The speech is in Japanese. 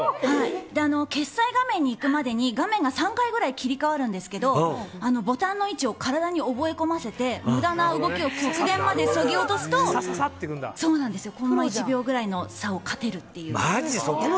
決済画面に行くまでに画面が３回ぐらい切り替わるんですけどボタンの位置を体に覚え込ませて無駄な動きを極限までそぎ落とすとコンマ１秒ぐらいの差を勝てるっていう。